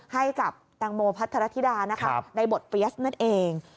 ให้กับตังโมพัฒนธรรษฎิดาในบทเฟียสนั่นเอง